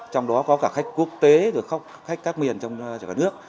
trong đó có cả khách quốc tế rồi khách các miền trong cả nước